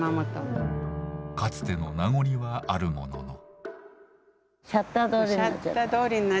かつての名残はあるものの。